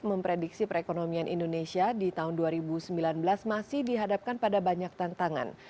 memprediksi perekonomian indonesia di tahun dua ribu sembilan belas masih dihadapkan pada banyak tantangan